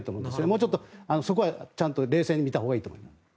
もう少しそこは冷静に見たほうがいいと思います。